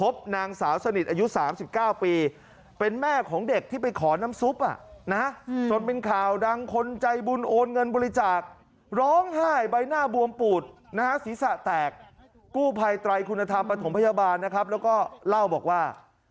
กู้ภัยไตรคุณธรรมประถมพยาบาลนะครับแล้วก็เล่าบอกว่า